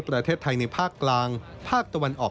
ประเทศไทยในภาคกลางภาคตะวันออก